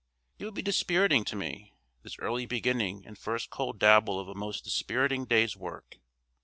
It would be dispiriting to me, this early beginning and first cold dabble of a most dispiriting day's work.